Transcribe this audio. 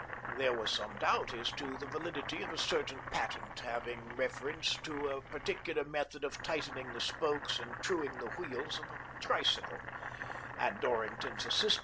There was some doubt as to the validity of a certain patent having reference to a particular method of tightening the spokes and truing the wheels of a bicycle, and Dorrington's assistant '^AVALANCHE BICYCLE AND TYRE CO.